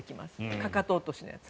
かかと落としのやつ。